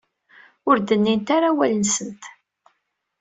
Ur d-nnint ara awal-nsent.